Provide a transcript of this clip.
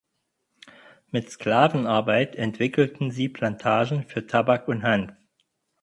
Mit Sklavenarbeit entwickelten sie Plantagen für Tabak und Hanf.